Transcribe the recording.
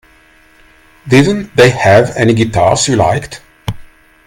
Didn't they have any guitars you liked?